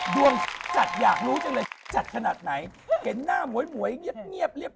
ดวงสัตว์อยากรู้จังเลยสัตว์ขนาดไหนเห็นหน้าหมวยหมวยเงียบเลียบ